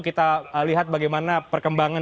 kita lihat bagaimana perkembangan